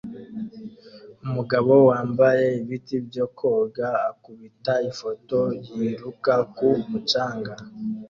Umugabo wambaye ibiti byo koga akubita ifoto yiruka ku mucanga